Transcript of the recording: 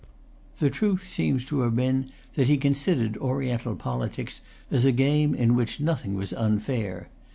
The truth seems to have been that he considered Oriental politics as a game in which nothing was unfair.